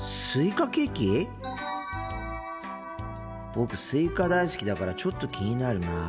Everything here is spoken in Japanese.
僕スイカ大好きだからちょっと気になるな。